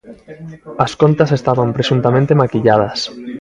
As contas estaban presuntamente maquilladas.